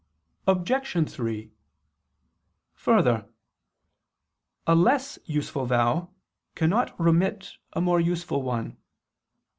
Obj. 3: Further, a less useful vow cannot remit a more useful one.